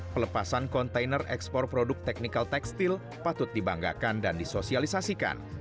pelepasan kontainer ekspor produk teknikal tekstil patut dibanggakan dan disosialisasikan